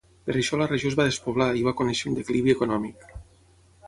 Per això la regió es va despoblar i va conèixer un declivi econòmic.